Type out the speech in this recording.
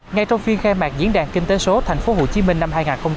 ngay trong phiên khai mạc diễn đàn kinh tế số tp hcm năm hai nghìn hai mươi